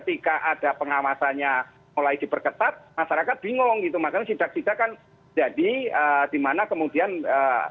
nah di sini kan kemudian ketika ada pengawasannya mulai diperketat masyarakat bingung gitu maka tidak tidak kan jadi di mana kemudian mendadakkan